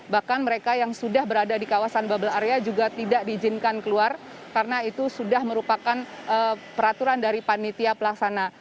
bahkan mereka yang sudah berada di kawasan bubble area juga tidak diizinkan keluar karena itu sudah merupakan peraturan dari panitia pelaksana